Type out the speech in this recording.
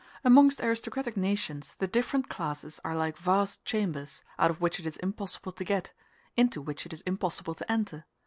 Amongst aristocratic nations the different classes are like vast chambers, out of which it is impossible to get, into which it is impossible to enter.